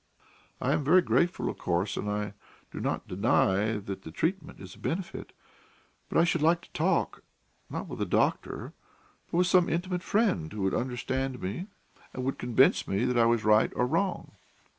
"I am very grateful, of course, and I do not deny that the treatment is a benefit; but I should like to talk, not with a doctor, but with some intimate friend who would understand me and would convince me that I was right or wrong."